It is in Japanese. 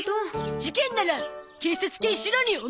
事件なら警察犬シロにお任せくさい。